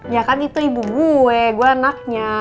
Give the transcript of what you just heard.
ya kan itu ibu gue gue anaknya